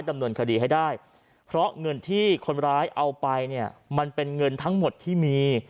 ดำเนินคดีให้ได้เพราะเงินที่คนร้ายเอาไปเนี่ยมันเป็นเงินทั้งหมดที่มี